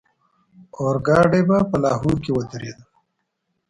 اورګاډی به په لاهور کې ودرېدو.